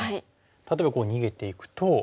例えばこう逃げていくと。